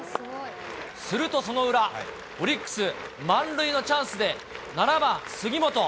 するとその裏、オリックス、満塁のチャンスで、７番杉本。